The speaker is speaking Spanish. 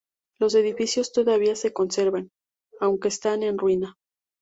Los edificios todavía se conservan, aunque están en ruina.